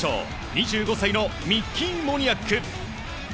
２５歳のミッキー・モニアック。